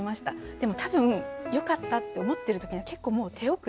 でも多分「よかった」って思ってる時には結構もう手遅れ。